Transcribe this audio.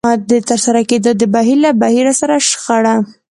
د ترسره کېدو د بهير له بهير سره شخړه.